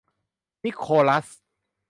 นิโคลัส